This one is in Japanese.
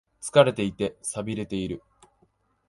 疲れていて、寂れている。